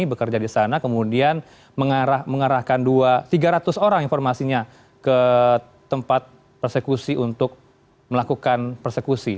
bekerja di sana kemudian mengarahkan tiga ratus orang informasinya ke tempat persekusi untuk melakukan persekusi